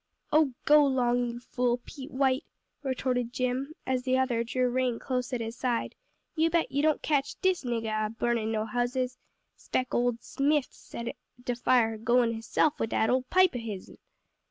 "Oh go 'long, you fool, Pete White!" retorted Jim, as the other drew rein close at his side, "you bet you don't catch dis niggah a burnin' no houses. Spect ole Smith set de fire goin' hisself wid dat ole pipe o' his'n!"